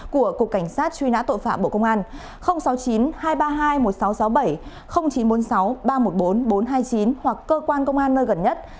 của cục cảnh sát truy nã tội phạm bộ công an sáu mươi chín hai trăm ba mươi hai một nghìn sáu trăm sáu mươi bảy chín trăm bốn mươi sáu ba trăm một mươi bốn bốn trăm hai mươi chín hoặc cơ quan công an nơi gần nhất